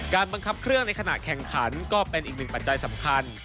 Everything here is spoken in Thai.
บังคับเครื่องในขณะแข่งขันก็เป็นอีกหนึ่งปัจจัยสำคัญ